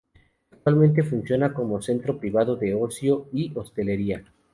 Actualmente funciona como un centro privado de ocio y hostelería.